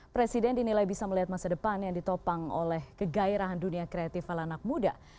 presiden dinilai bisa melihat masa depan yang ditopang oleh kegairahan dunia kreatif ala anak muda